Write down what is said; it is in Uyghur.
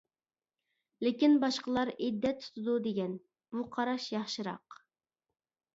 لېكىن باشقىلار: ئىددەت تۇتىدۇ، دېگەن، بۇ قاراش ياخشىراق.